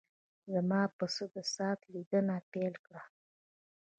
زما پسه د ساعت لیدنه پیل کړه.